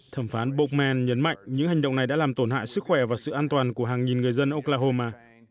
thẩm phán bokmman nhấn mạnh những hành động này đã làm tổn hại sức khỏe và sự an toàn của hàng nghìn người dân oklahoma